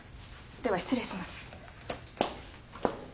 では失礼します